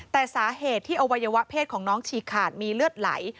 แต่สาเหตุที่อวัยวะเพศของน้องฉีกขาดมีเลือดไหล